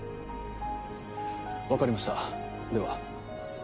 分かりましたでは。